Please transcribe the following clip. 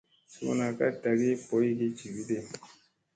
Suuna ka ɗaagi boygi jiviɗi.